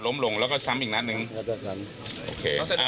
นี่น่าที่๓ใช่มั้ยฮะโอเค